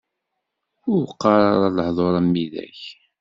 Ur qqar ara lehdur am widak!